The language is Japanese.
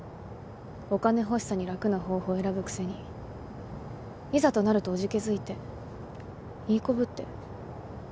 お金欲しさに楽な方法を選ぶくせにいざとなるとおじけづいていい子ぶって。